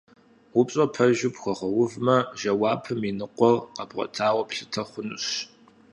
Упщӏэр пэжу пхуэгъэувмэ, жэуапым и ныкъуэр къэбгъуэтауэ плъытэ хъунущ.